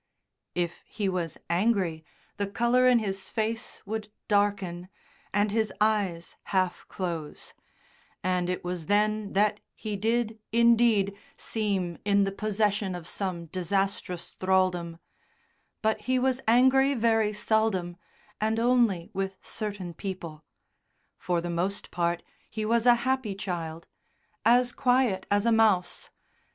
If he was angry the colour in his face would darken and his eyes half close, and it was then that he did, indeed, seem in the possession of some disastrous thraldom but he was angry very seldom, and only with certain people; for the most part he was a happy child, "as quiet as a mouse."